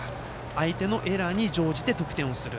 相手のエラーに乗じて得点をする。